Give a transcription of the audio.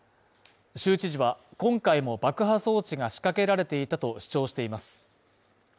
州知事は、今回も爆破装置が仕掛けられていたと主張しています。